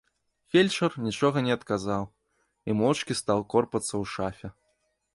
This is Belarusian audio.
Фельчар нічога не адказаў і моўчкі стаў корпацца ў шафе.